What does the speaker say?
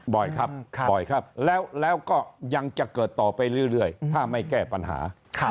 บ่อยครับบ่อยครับแล้วก็ยังจะเกิดต่อไปเรื่อยถ้าไม่แก้ปัญหา